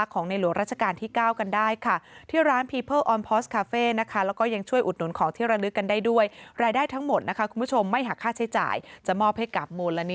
ขอบคุณครับสวัสดีครับ